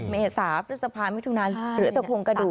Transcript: เมษาสะพานมิถุนาหรือแต่โครงกระดูก